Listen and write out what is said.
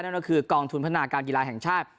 นั่นก็คือกองทุนพัฒนาการกีฬาแห่งชาติ